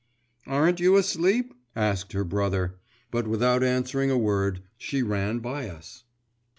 'Aren't you asleep?' asked her brother; but, without answering a word, she ran by us.